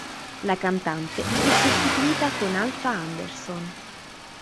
La cantante fu sostituita con Alfa Anderson.